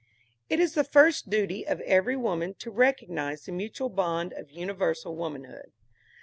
It is the first duty of every woman to recognize the mutual bond of universal womanhood.